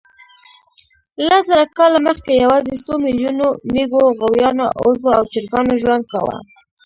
لس زره کاله مخکې یواځې څو میلیونو مېږو، غویانو، اوزو او چرګانو ژوند کاوه.